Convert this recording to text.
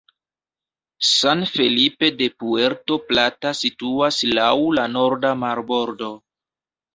San Felipe de Puerto Plata situas laŭ la norda marbordo.